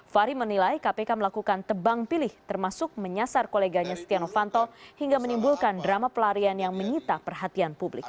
fahri menilai kpk melakukan tebang pilih termasuk menyasar koleganya setia novanto hingga menimbulkan drama pelarian yang menyita perhatian publik